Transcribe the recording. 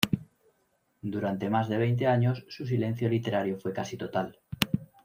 Durante más de veinte años su silencio literario fue casi total.